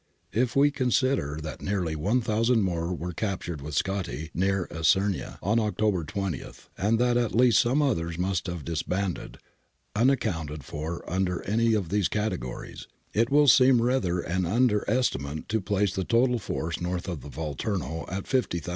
If we consider that nearly 1000 more were captured with Scotti near Isernia on October 20 (see p. 268 above), and that at least some others must have dibbanded, unaccounted for under any of these categories, it will seem rather an under estimate to place the total force north of the Volturno at 50,000.